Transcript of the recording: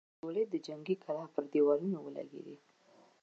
ځينې ګولۍ د جنګي کلا پر دېوالونو ولګېدې.